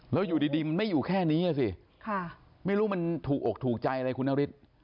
แล้วอยู่ดีมันไม่อยู่แค่นี้อ่ะสิไม่รู้มันถูกอกถูกใจอะไรคุณนฤทธิ์